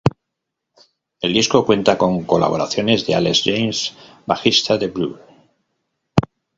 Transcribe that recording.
El disco cuenta con colaboraciones de Alex James, bajista de Blur.